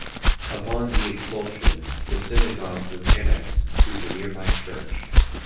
Upon the expulsion, the synagogue was annexed to the nearby church.